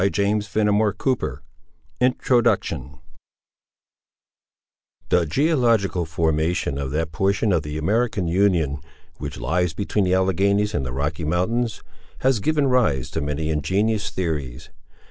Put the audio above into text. Ernest Rhys, 1907 AUTHOR'S INTRODUCTION The geological formation of that portion of the American Union, which lies between the Alleghanies and the Rocky Mountains, has given rise to many ingenious theories.